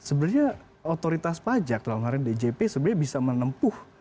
sebenarnya otoritas pajak dalam hal ini djp sebenarnya bisa menempuh